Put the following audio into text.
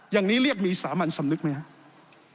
อย่างนี้เรียกมีสามัญสำนึกไหมครับ